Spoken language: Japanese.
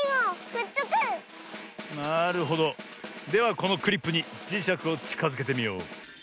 このクリップにじしゃくをちかづけてみよう。